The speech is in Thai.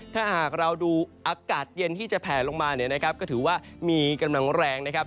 ถ้าหากเราดูอากาศเย็นที่จะแผลลงมาเนี่ยนะครับก็ถือว่ามีกำลังแรงนะครับ